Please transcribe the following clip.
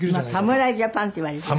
侍ジャパンっていわれています。